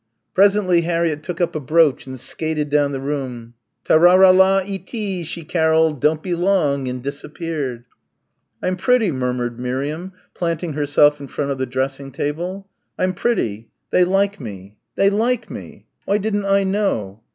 Presently Harriett took up a brooch and skated down the room, "Ta ra ra la eee tee!" she carolled, "don't be long," and disappeared. "I'm pretty," murmured Miriam, planting herself in front of the dressing table. "I'm pretty they like me they like me. Why didn't I know?"